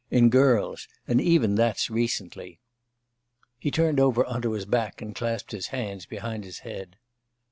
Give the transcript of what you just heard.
in girls, and even that's recently.' He turned over on to his back and clasped his hands behind his head.